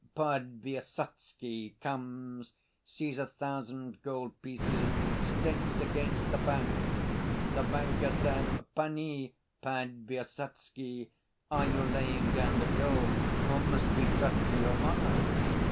Podvysotsky comes, sees a thousand gold pieces, stakes against the bank. The banker says, 'Panie Podvysotsky, are you laying down the gold, or must we trust to your honor?